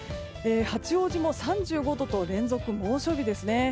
八王子も３５度と連続猛暑日ですね。